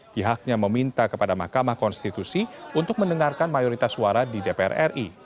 pihaknya meminta kepada mahkamah konstitusi untuk mendengarkan mayoritas suara di dpr ri